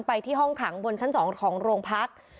ไปที่ห้องขังบนชั้น๒ของโรงพัก